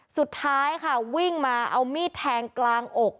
สุดท้ายค่ะวิ่งมาเอามีดแทงกลางอก